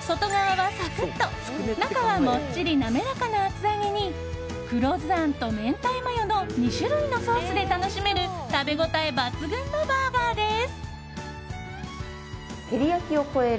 外側はサクッと中はもっちり滑らかな厚揚げに黒酢あんと明太マヨの２種類のソースで楽しめる食べ応え抜群のバーガーです。